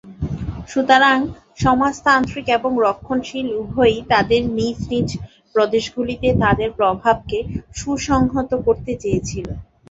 সুতরাং সমাজতান্ত্রিক এবং রক্ষণশীল উভয়ই তাদের নিজ নিজ প্রদেশগুলিতে তাদের প্রভাবকে সুসংহত করতে চেয়েছিল।